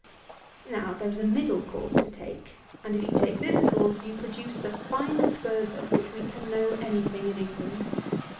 Now, there is a middle course to take; and if you take this course, you produce the finest birds of which we can know any thing in England.